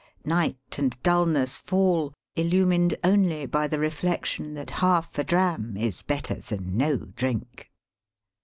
Night and dulness fall illumined only by the reflection that half a dram is better than no drink.